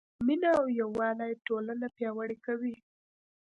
مینه او یووالی ټولنه پیاوړې کوي.